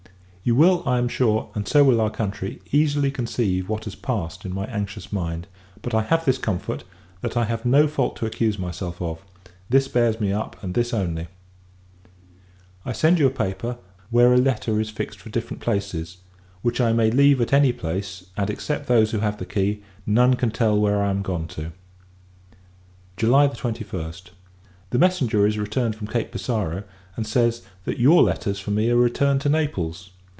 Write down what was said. You will, I am sure, and so will our country, easily conceive what has passed in my anxious mind; but I have this comfort, that I have no fault to accuse myself of: this bears me up, and this only. I send you a paper, where a letter is fixed for different places: which I may leave at any place; and, except those who have the key, none can tell where I am gone to. July 21. The messenger is returned from Cape Passaro; and says, that your letters for me are returned to Naples.